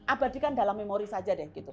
abadikan dalam memori saja deh gitu